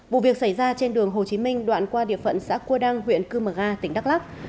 vụ việc xảy ra trên đường hồ chí minh đoạn qua địa phận xã qua đăng huyện cư mở nga tỉnh đắk lắk